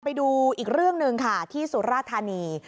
ไปดูอีกเรื่องหนึ่งค่ะที่สุราธานี